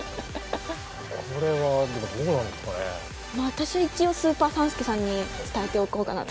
私は一応スーパー３助さんに伝えておこうかなと。